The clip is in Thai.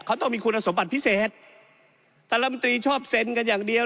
เขาต้องมีคุณสมบัติพิเศษธรรมดีชอบเซ็นต์กันอย่างเดียว